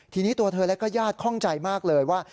ทีนี้ตัวเธอและก็ญาติคล่องใจมากเลยว่า